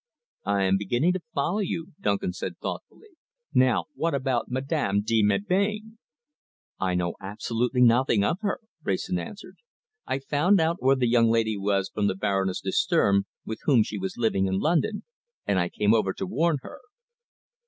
"I am beginning to follow you," Duncan said thoughtfully. "Now what about Madame de Melbain?" "I know absolutely nothing of her," Wrayson answered. "I found out where the young lady was from the Baroness de Sturm, with whom she was living in London, and I came over to warn her."